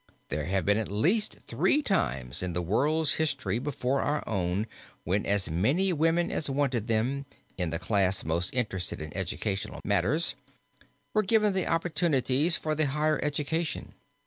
There have been at least three times in the world's history before our own when as many women as wanted them, in the class most interested in educational matters, were given the opportunities for the higher education.